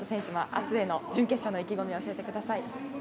明日の準決勝への意気込みを教えてください。